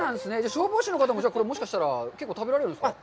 消防署の方も、もしかしたら、結構食べられるんですか？